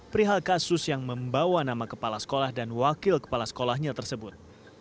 perihal kasus yang membawa nama kepala sekolah dan wakil kepala sekolahnya tersebut